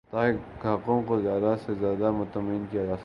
تاکہ گاہکوں کو زیادہ سے زیادہ مطمئن کیا جا سکے